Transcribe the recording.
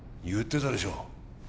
言ってたでしょ